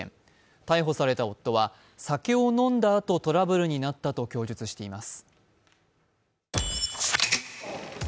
逮捕された夫は、酒を飲んだあとトラブルになったと供述しています。